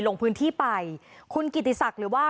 ลงพื้นที่ไปคุณกิติศักดิ์หรือว่า